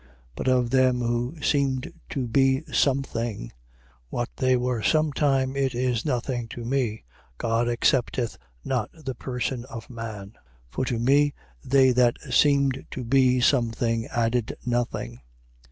2:6. But of them who seemed to be some thing, (what they were some time it is nothing to me, God accepteth not the person of man): for to me they that seemed to be some thing added nothing.